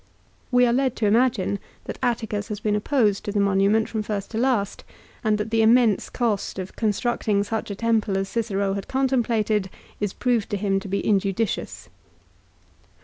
We are led to imagine that Atticus has been opposed to the monument from first to last, and that the immense cost of constructing such a temple as Cicero had contemplated is proved to him to be injudicious.